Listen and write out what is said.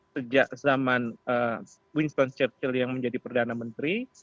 sejak zaman winston churchill yang menjadi perdana menteri